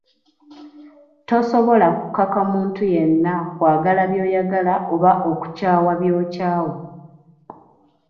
Tosobola kukaka muntu yenna kwagala by'oyagala oba okukyawa by'okyawa.